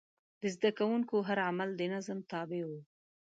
د زده کوونکو هر عمل د نظم تابع و.